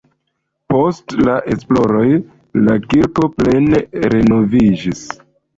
Post la esploroj la kirko plene renoviĝis.